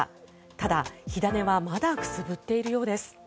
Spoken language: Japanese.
ただ、火種はまだくすぶっているようです。